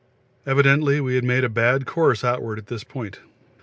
Evidently we made a bad course outward at this part.